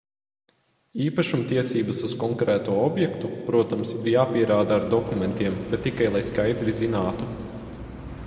Īpašumtiesības uz konkrēto objektu, protams, ir jāpierāda ar dokumentiem, bet tikai lai skaidri zinātu.